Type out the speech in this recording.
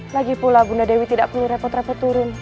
lagipula bunda dewi tidak perlu repot repot turun